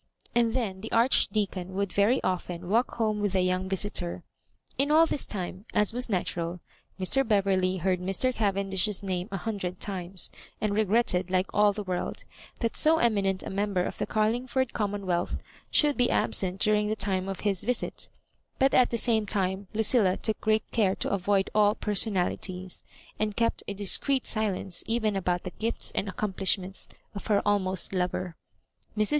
And then the Archdeacon would very often walk home with the young visitor. In all this time, as was natural, Mr. Beverley heard Mr. Caven dish's name a hundred times, and regretted, like all the world, that so eminent a member of the Carling ford commonwealth should be absent during the time of his visit; but at the same time, Lucilla took great care to avoid all personalities, and kept a discreet silence even about the gifts and accomplishments of her almost lover. Mrs.